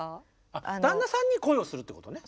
あ旦那さんに恋をするってことね。